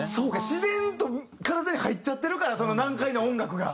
自然と体に入っちゃってるからその難解な音楽が。